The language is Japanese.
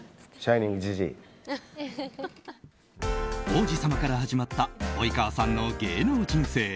王子様から始まった及川さんの芸能人生。